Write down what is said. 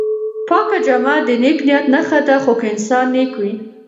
پاکه جامه د نېک نیت نښه ده خو که انسان نېک وي.